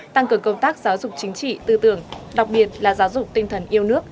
tăng cường công tác giáo dục chính trị tư tưởng đặc biệt là giáo dục tinh thần yêu nước